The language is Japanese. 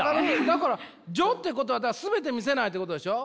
だから「序」ってことは全て見せないってことでしょ？